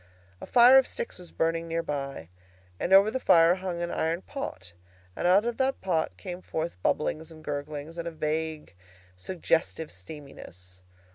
A fire of sticks was burning near by, and over the fire hung an iron pot, and out of that pot came forth bubblings and gurglings, and a vague suggestive steaminess.